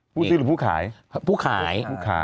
ผู้ซื้อหรือผู้ขาย